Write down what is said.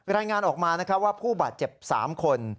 รายงานออกมาว่าผู้บาดเจ็บ๓คน